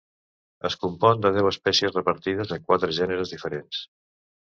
Es compon de deu espècies repartides en quatre gèneres diferents.